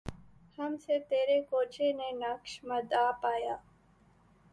ہم سے تیرے کوچے نے نقش مدعا پایا